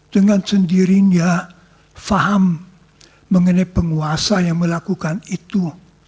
dengan sendirinya faham mengenai penguasa yang melakukan itu